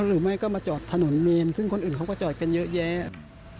หรือไม่ก็มาจอดถนนเมนซึ่งคนอื่นเขาก็จอดกันเยอะแยะ